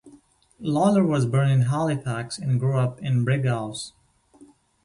Lawlor was born in Halifax and grew up in Brighouse.